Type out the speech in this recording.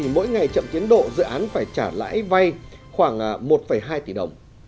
mỗi ngày chậm tiến độ dự án phải trả lãi vay khoảng một hai tỷ đồng